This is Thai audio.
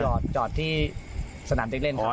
จอดที่สนามเด็กเล่นครับ